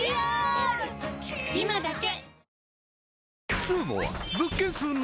今だけ！